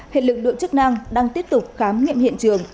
hệ lực lượng chức năng đang tiếp tục khám nghiệm hiện trường